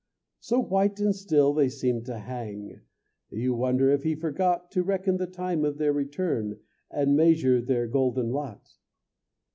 So white and still they seem to hang, You wonder if he forgot To reckon the time of their return And measure their golden lot.